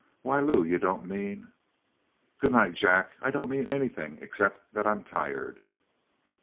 "Why, Lou, you don't mean " "Good night, Jack. I don't mean anything, except that I'm tired."